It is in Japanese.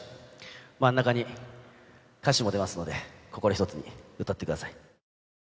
真ん中に歌詞も出ますので、心一つに歌ってください。